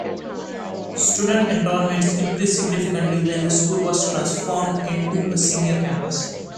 Student enrolments increased significantly when the school was transformed into a senior campus.